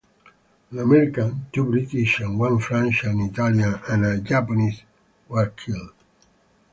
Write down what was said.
An American, two British, one French, an Italian and a Japanese were killed.